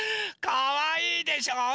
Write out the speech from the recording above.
かわいいでしょ？